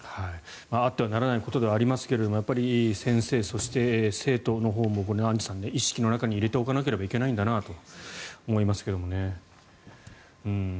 あってはならないことではありますが先生、生徒のほうも意識の中に入れておかなければいけないんだなと思いますけどね。